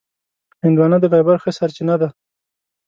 هندوانه د فایبر ښه سرچینه ده.